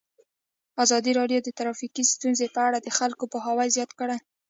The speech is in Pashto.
ازادي راډیو د ټرافیکي ستونزې په اړه د خلکو پوهاوی زیات کړی.